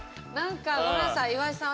ごめんなさい、岩井さん。